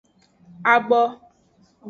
Abo.